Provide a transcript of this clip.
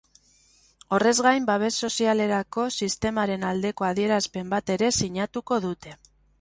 Horrez gain, babes sozialerako sistemaren aldeko adierazpen bat ere sinatuko dute.